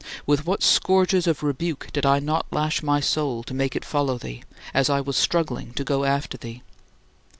With what scourges of rebuke did I not lash my soul to make it follow me, as I was struggling to go after thee?